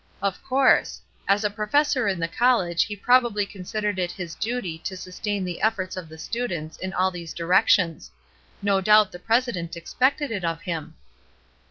Of course. As a professor in the college he probably considered it his duty to sustain the efforts of the students in all these directions; no doubt the president expected it of him.